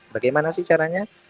bagaimana sih caranya